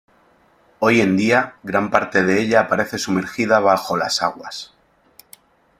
Hoy en día, gran parte de ella aparece sumergida bajo las aguas.